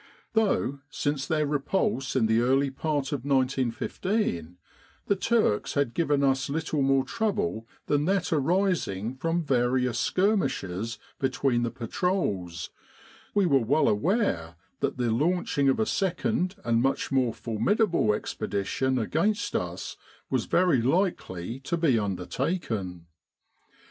Though, since their repulse in the early part of 1915, the Turks had given us little more trouble than that arising from various skirmishes between the patrols, we were well aware that the launching of a second and much more formidable expedition against us was very likely to be undertaken.